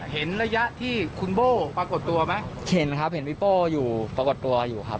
เห็นระยะที่คุณโบ้ปรากฏตัวไหมเห็นครับเห็นพี่โป้อยู่ปรากฏตัวอยู่ครับ